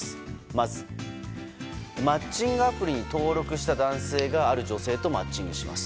まず、マッチングアプリに登録した男性がある女性とマッチングします。